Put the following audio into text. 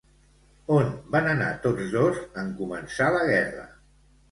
On van anar tots dos en començar la guerra?